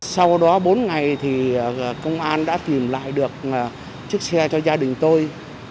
sau đó bốn ngày thì công an đã tìm lại được chiếc xe cho gia đình tôi